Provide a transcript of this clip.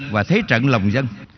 và thế trận lòng dân